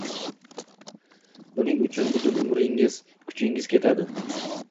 Buning uchun butun umringiz, kuchingiz ketadi.